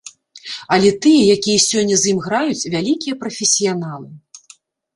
Але тыя, якія сёння з ім граюць, вялікія прафесіяналы.